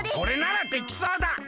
それならできそうだ！